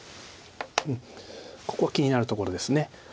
ここは気になるところです。